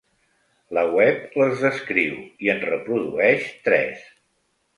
La web les descriu i en reprodueix tres.